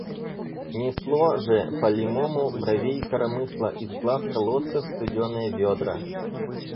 Несло же, палимому, бровей коромысло из глаз колодцев студеные ведра.